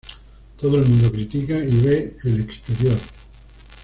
Todo el mundo critica y ve el exterior.